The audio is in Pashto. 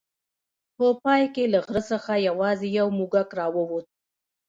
په پای کې له غره څخه یوازې یو موږک راووت.